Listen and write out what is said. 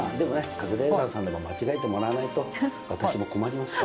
カズレーザーさんでも間違えてもらわないと私も困りますから。